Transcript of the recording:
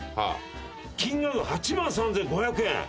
金額８万３，５００円。